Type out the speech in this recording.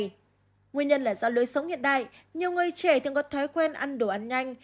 nguyên nhân là do lối sống hiện đại nhiều người trẻ thường có thói quen ăn đồ ăn nhanh